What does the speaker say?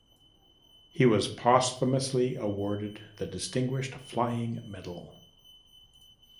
He was posthumously awarded the Distinguished Flying Medal.